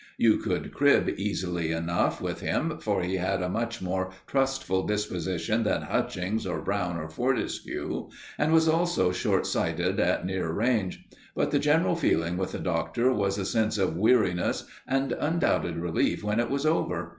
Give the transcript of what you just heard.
You could crib easily enough with him, for he had a much more trustful disposition than Hutchings, or Brown, or Fortescue, and was also short sighted at near range; but the general feeling with the Doctor was a sense of weariness and undoubted relief when it was over.